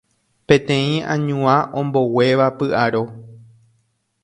Peteĩ añuã omboguéva py'aro